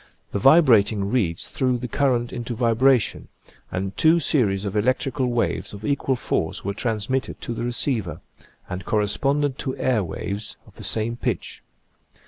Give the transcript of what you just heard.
The vibrating reeds threw the current into vibration and two series of elec trical waves of equal force were transmitted to the receiver, and corresponded to air waves of the same pitch.